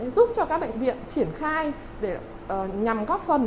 giúp cho các bệnh viện triển khai để nhằm góp phần